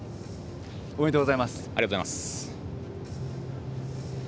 ありがとうございます。